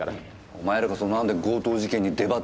お前らこそ何で強盗事件に出張ってんだよ？